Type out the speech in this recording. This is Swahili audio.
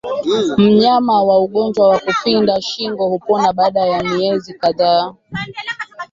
Mnyama wa ugonjwa wa kupinda shingo hupona baada ya miezi kadhaa